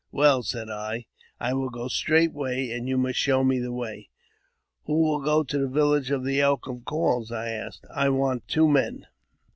" Well," said I, " I will go straightway, and you must show me the way." '' Who will go to the village of the Elk that Calls ?" I asked; " I want two men."